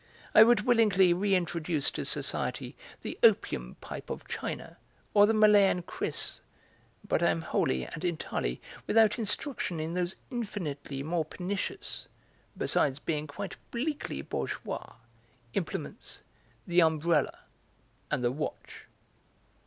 I would willingly reintroduce to society the opium pipe of China or the Malayan kriss, but I am wholly and entirely without instruction in those infinitely more pernicious (besides being quite bleakly bourgeois) implements, the umbrella and the watch."